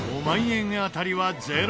５万円当たりは０。